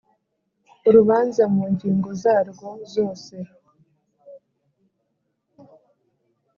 urubanza mu ngingo zarwo zose